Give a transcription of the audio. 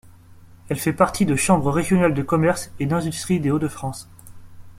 Elle fait partie de Chambre régionale de commerce et d'industrie des Hauts-de-France.